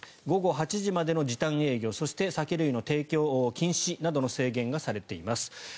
午後８時までの時短営業そして酒類提供禁止などの制限がされています。